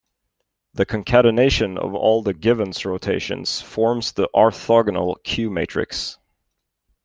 The concatenation of all the Givens rotations forms the orthogonal "Q" matrix.